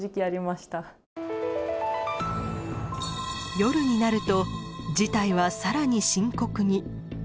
夜になると事態はさらに深刻に。